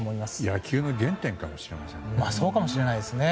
野球の原点かもしれないですね。